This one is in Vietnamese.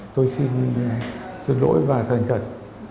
tôi xin xin lỗi và thành thật